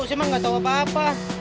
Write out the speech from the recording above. siapa yang gak tau apa apa